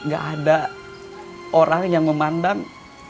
gak ada orang yang memandang